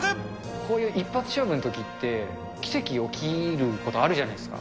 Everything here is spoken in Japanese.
こういう一発勝負のときって、奇跡が起きることあるじゃないですか。